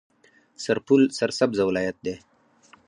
سرپل سرسبزه ولایت دی.